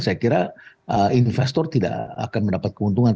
saya kira investor tidak akan mendapat keuntungan